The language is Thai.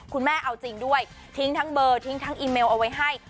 แม่เอาจริงด้วยทิ้งทั้งเบอร์ทิ้งทั้งอีเมลเอาไว้ให้